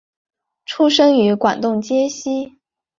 出生于广东揭西。